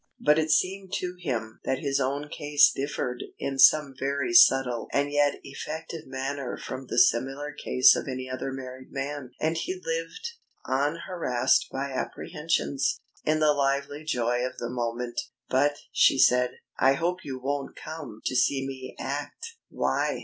But it seemed to him that his own case differed in some very subtle and yet effective manner from the similar case of any other married man. And he lived, unharassed by apprehensions, in the lively joy of the moment. "But," she said, "I hope you won't come to see me act." "Why?"